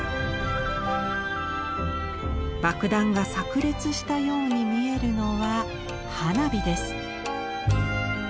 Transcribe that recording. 爆弾がさく裂したように見えるのは花火です。